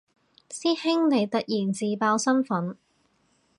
師兄你突然自爆身份